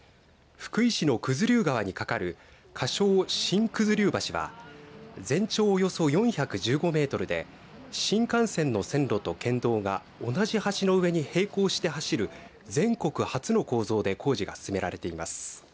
福井市の九頭竜川にかかる仮称、新九頭竜橋は全長およそ４１５メートルで新幹線の線路と県道が同じ橋の上に並行して走る全国初の構造で工事が進められています。